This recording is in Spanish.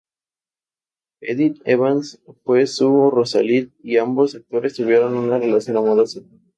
Edith Evans fue su Rosalind, y ambos actores tuvieron una relación amorosa.